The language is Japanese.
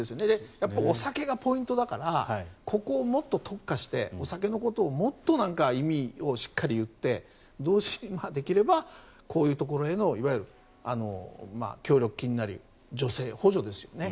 やっぱりお酒がポイントだからここをもっと特化してお酒のことをもっと意味をしっかり言ってできればこういうところへのいわゆる協力金なり助成、補助ですよね。